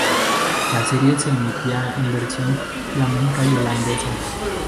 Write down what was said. La serie se emitía en versión flamenca y holandesa.